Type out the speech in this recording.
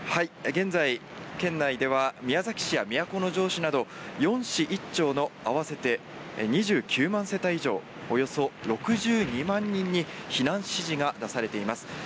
現在、県内では宮崎市や都城市など４市１町の合わせて２９万世帯以上およそ６２万人に避難指示が出されています。